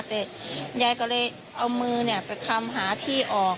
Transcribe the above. แต่ยายก็เลยเอามือไปคำหาที่ออก